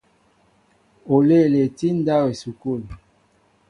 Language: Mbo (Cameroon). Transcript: Oléele tí ndáw esukul.